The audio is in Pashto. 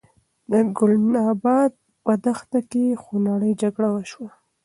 د ګلناباد په دښته کې خونړۍ جګړه وشوه.